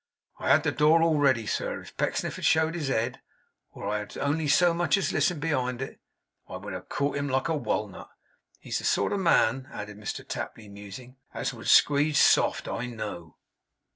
I had the door all ready, sir. If Pecksniff had showed his head, or had only so much as listened behind it, I would have caught him like a walnut. He's the sort of man,' added Mr Tapley, musing, 'as would squeeze soft, I know.